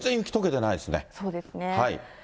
そうですね。